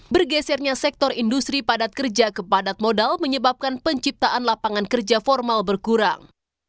bergesernya sektor industri padat kerja kepadat modal menyebabkan penciptaan lapangan kerja formal berkurang